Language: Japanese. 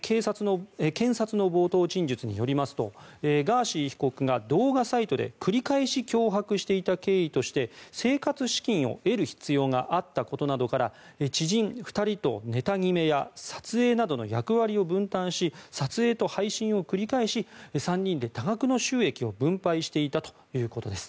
検察の冒頭陳述によりますとガーシー被告が動画サイトで繰り返し脅迫していた経緯として生活資金を得る必要があったことなどから知人２人とネタ決めや撮影などの役割を分担し撮影と配信を繰り返し３人で多額の収益を分配していたということです。